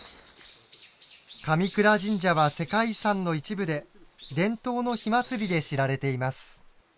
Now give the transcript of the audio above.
神倉神社は世界遺産の一部で伝統の火祭りで知られています。